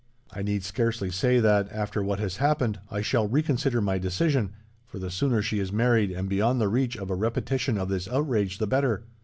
"I need scarcely say that, after what has happened, I shall reconsider my decision; for the sooner she is married, and beyond the reach of a repetition of this outrage, the better.